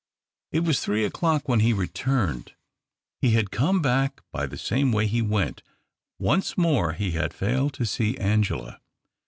It was three o'clock when he returned. He had come back l)y the same way he went. Once more he had failed to see Angela.